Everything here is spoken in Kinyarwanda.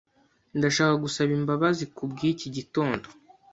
Ndashaka gusaba imbabazi kubwiki gitondo.